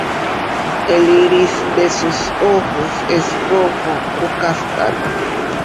El iris de sus ojos es rojo o castaño.